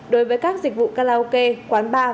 đối với các dịch vụ karaoke quán bar